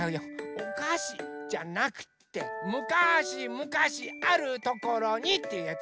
「おかし」じゃなくって「むかしむかしあるところに」っていうやつ。